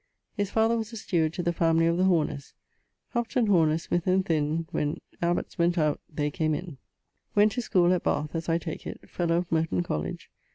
His father was a steward to the family of the Horners: Hopton, Horner, Smyth, and Thynne, When abbots went out, they came in. Went to school, at Bath (as I take it). Fellow of Merton Colledge.